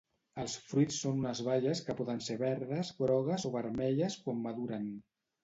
Els fruits són unes baies que poden ser verdes, grogues o vermelles quan maduren.